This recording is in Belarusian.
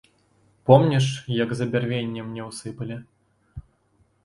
Помніш, як за бярвенне мне ўсыпалі?